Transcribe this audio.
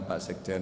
pak sekjen mas pak